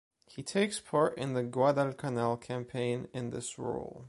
He takes part in the Guadalcanal campaign in this role.